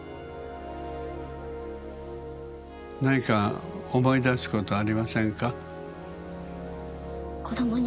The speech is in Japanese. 何か思い出すことはありませんか？